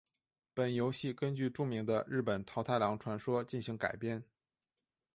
本游戏根据著名的日本桃太郎传说进行改编。